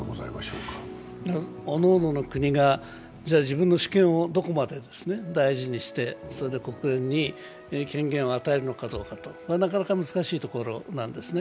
おのおのの国が自分の主権をどこまで大事にして国連に権限を与えるのかどうか、なかなか難しいところなんですね。